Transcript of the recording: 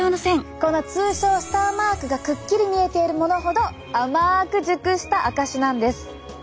この通称スターマークがくっきり見えているものほど甘く熟した証しなんです。